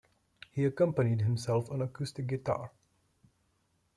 He accompanied himself on acoustic guitar.